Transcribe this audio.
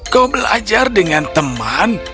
kau belajar dengan teman